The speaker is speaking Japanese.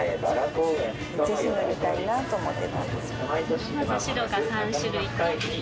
ぜひ乗りたいなと思って。